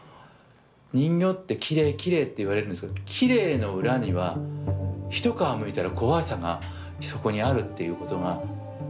人形ってきれいきれいって言われるんですけどきれいの裏には一皮むいたら怖さがそこにあるっていうことが。